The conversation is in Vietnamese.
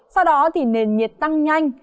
sau đó thì nền nhiệt tăng nhanh